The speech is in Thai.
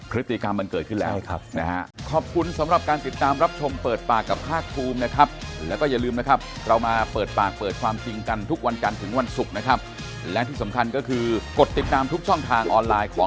พฤติกรรมมันเกิดขึ้นแล้ว